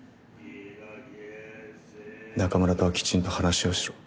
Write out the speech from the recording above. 仲村とはきちんと話をしろ。